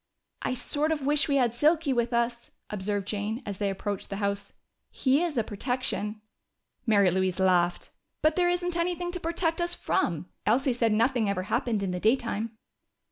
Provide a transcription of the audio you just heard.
"I sort of wish we had Silky with us," observed Jane as they approached the house. "He is a protection." Mary Louise laughed. "But there isn't anything to protect us from! Elsie said nothing ever happened in the daytime."